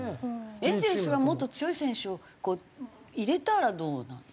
エンゼルスがもっと強い選手をこう入れたらどうなの？